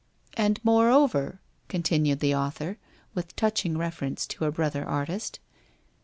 ' And moreover !' continued the author, with touching reference to a brother artist.